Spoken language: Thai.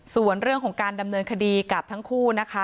ส่วนเรื่องของการดำเนินคดีกับทั้งคู่นะคะ